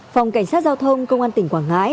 phòng cảnh sát giao thông công an tỉnh quảng ngãi